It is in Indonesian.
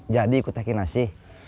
jadi ikut teki nasi